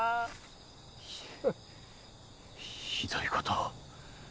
ひひどいことを